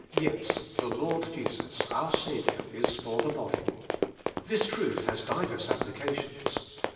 "Yes, the Lord Jesus, our Saviour, is for the body." This truth has divers appli cations.